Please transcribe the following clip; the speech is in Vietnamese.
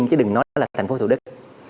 chứ đừng nói là thành phố thủ đức